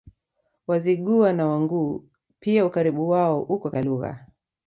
Wazigua na Wanguu pia Ukaribu wao uko katika lugha